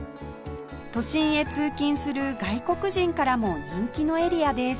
都心へ通勤する外国人からも人気のエリアです